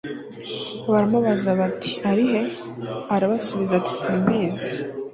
Baramubaza bati: «ari hehe? Arabasubiza ati : Simbizi.»